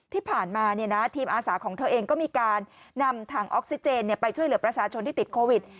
ที่ผ่านมาทีมอาสาของเธอเองก็มีการนำถังออกซิเจนไปช่วยเหลือประชาชนที่ติดโควิด